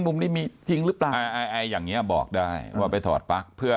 มุมนี้มีจริงหรือเปล่าอย่างนี้บอกได้ว่าไปถอดปลั๊กเพื่อ